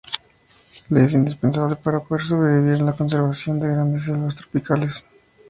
Le es indispensable para poder sobrevivir la conservación de grandes selvas tropicales.